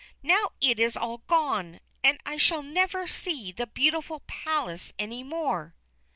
Now it is all gone, and I shall never see the beautiful palace any more!"